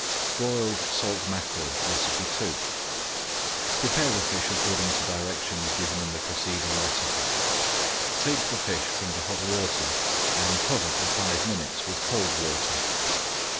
BROILED SALT MACKEREL II Prepare the fish according to directions given in the preceding recipe. Take the fish from the hot water and cover for five minutes with cold water.